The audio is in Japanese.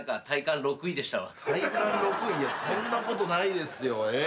体感６位いやそんなことないですよ。